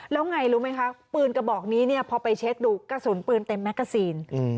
แล้วไงรู้ไหมคะปืนกระบอกนี้เนี่ยพอไปเช็คดูกระสุนปืนเต็มแมกกาซีน